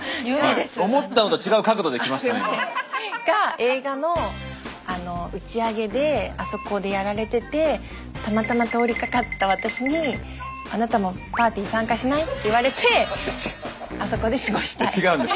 が映画の打ち上げであそこでやられててたまたま通りかかった私に「あなたもパーティー参加しない？」って言われてあそこで過ごしたい。